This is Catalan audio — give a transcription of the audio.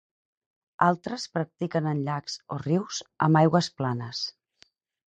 Altres practiquen en llacs o rius amb aigües planes.